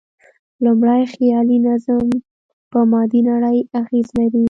لومړی، خیالي نظم په مادي نړۍ اغېز لري.